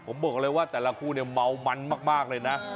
ผมบอกเลยว่าแต่ละคู่เนี่ยเมามันมากเลยนะ